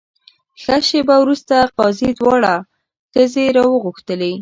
ښه شېبه وروسته قاضي دواړه ښځې راوغوښتلې.